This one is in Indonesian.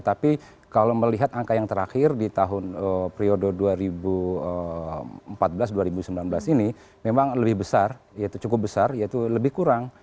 tapi kalau melihat angka yang terakhir di tahun periode dua ribu empat belas dua ribu sembilan belas ini memang lebih besar cukup besar yaitu lebih kurang